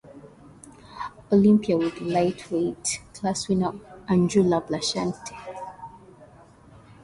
Olympia with lightweight class winner Andrulla Blanchette.